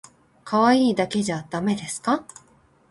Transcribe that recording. かわいいだけじゃだめですか？